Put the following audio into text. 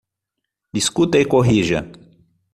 Discuta e corrija